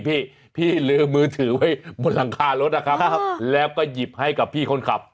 พี่พี่ลืมมือถือไว้บนหลังคารถนะครับแล้วก็หยิบให้กับพี่คนขับ